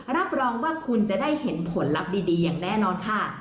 รับรองว่าคุณจะได้เห็นผลลัพธ์ดีอย่างแน่นอนค่ะ